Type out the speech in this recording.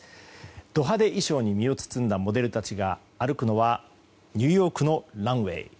ド派手衣装に身を包んだモデルたちが歩くのはニューヨークのランウェー。